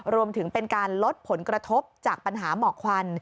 รวมถึงเป็นการลดผลกระทบจากปัญหาหมอกควัน